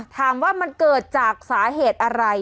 ถามว่ามันเกิดจากสาเหตุอะไร